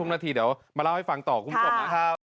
เดี๋ยวมาเล่าให้ฟังต่อคุณผู้ชมนะ